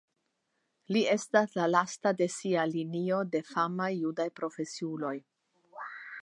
Li estas la lasta de sia linio de famaj judaj profesiuloj.